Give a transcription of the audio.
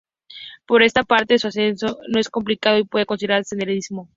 Por esta parte su ascenso no es complicado, y se puede considerar senderismo.